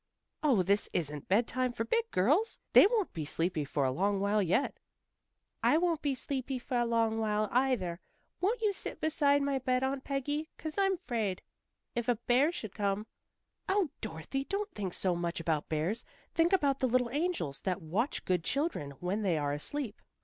"Oh, this isn't bedtime for big girls. They won't be sleepy for a long while yet." "I won't be sleepy for a long while, either. Won't you sit beside my bed, Aunt Peggy, 'cause I'm 'fraid. If a bear should come " "Oh, Dorothy, don't think so much about bears. Think about the little angels that watch good children when they are asleep."